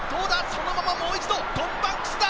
そのままもう一度トム・バンクスだ！